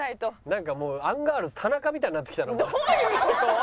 なんかもうアンガールズ田中みたいになってきたなお前。